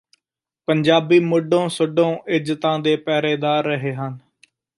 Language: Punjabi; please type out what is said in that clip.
ਪੰਜਾਬੀ ਮੁੱਢੋਂ ਸੁੱਢੋਂ ਇੱਜ਼ਤਾਂ ਦੇ ਪਹਿਰੇਦਾਰ ਰਹੇ ਹਨ